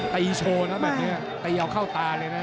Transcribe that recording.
ตีโชว์นะแบบนี้ตีเอาเข้าตาเลยนะ